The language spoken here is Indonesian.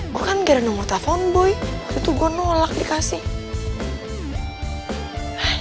gue kan gara gara nomor telfon boy waktu itu gue nolak dikasih